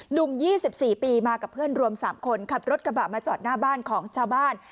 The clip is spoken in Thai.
๒๔ปีมากับเพื่อนรวม๓คนขับรถกระบะมาจอดหน้าบ้านของชาวบ้าน